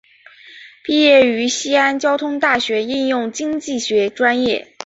毕业于西安交通大学应用经济学专业。